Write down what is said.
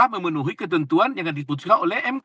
memenuhi ketentuan yang diputuskan oleh mk